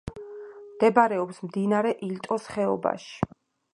მდებარეობს მდინარე ილტოს ხეობაში.